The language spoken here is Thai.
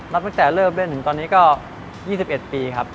ตั้งแต่เริ่มเล่นถึงตอนนี้ก็๒๑ปีครับ